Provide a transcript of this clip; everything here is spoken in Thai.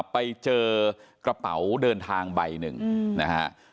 ไปเจอกระเป๋าเดินทางใบหนึ่งนะฮะ